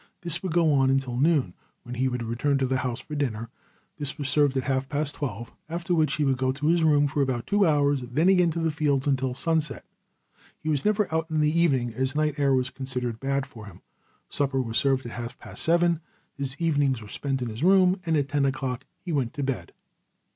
This would go on until noon, when he would return to the house for dinner. This was served at half past twelve, after which he would go to his room for about two hours, then again to the fields until sunset. He was never out in the evening as night air was considered bad for him. Supper was served at half past seven. His evenings were spent in his room, and at ten o'clock he went to bed.